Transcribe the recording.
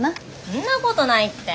そんなことないって。